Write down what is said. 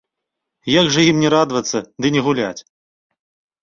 Як жа ім не радавацца ды не гуляць?